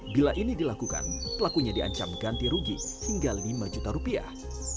bila ini dilakukan pelakunya diancam ganti rugi hingga lima juta rupiah